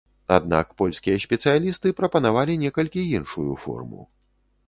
Аднак польскія спецыялісты прапанавалі некалькі іншую форму.